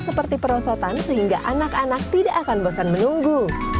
seperti perosotan sehingga anak anak tidak akan bosan menunggu